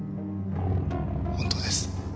本当です。